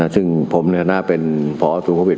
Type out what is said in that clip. ซึ่งผมเนื้อหน้าเป็นผอสูงโควิด